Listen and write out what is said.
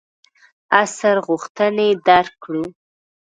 عصر غوښتنې درک کړو.